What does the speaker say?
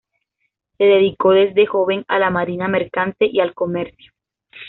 Se dedicó desde joven a la marina mercante y al comercio.